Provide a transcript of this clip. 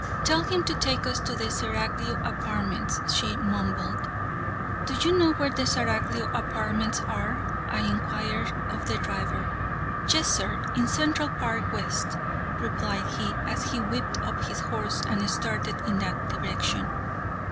"Tell him to take us to the Seraglio Apartments," she mumbled. "Do you know where the Seraglio Apartments are?" I inquired of the driver. "Yes, sir, in Central Park West," replied he, as he whipped up his horse and started in that direction.